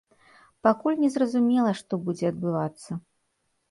Пакуль не зразумела, што будзе адбывацца.